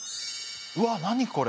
わ何これ？